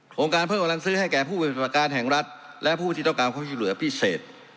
โครงการเพิ่มกำลังซื้อให้แก่ผู้วิทยาประการแห่งรัฐและผู้วิทยาลักษณ์เขาอยู่เหลือพิเศษ